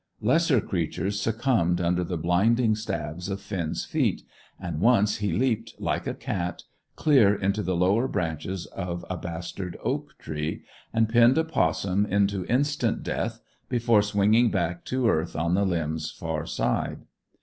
Lesser creatures succumbed under the blinding stabs of Finn's feet; and once he leaped, like a cat, clear into the lower branches of a bastard oak tree, and pinned a 'possum into instant death before swinging back to earth on the limb's far side.